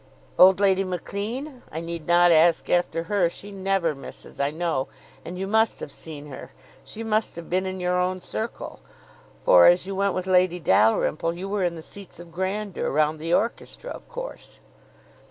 "Old Lady Mary Maclean? I need not ask after her. She never misses, I know; and you must have seen her. She must have been in your own circle; for as you went with Lady Dalrymple, you were in the seats of grandeur, round the orchestra, of course."